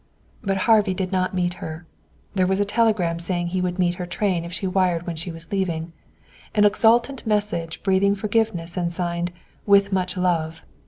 But Harvey did not meet her. There was a telegram saying he would meet her train if she wired when she was leaving an exultant message breathing forgiveness and signed "with much love."